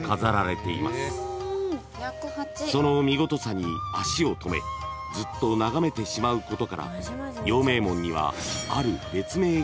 ［その見事さに足を止めずっと眺めてしまうことから陽明門には］